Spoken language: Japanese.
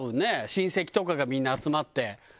親戚とかがみんな集まって。